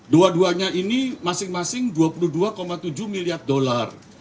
dua duanya ini masing masing dua puluh dua tujuh miliar dolar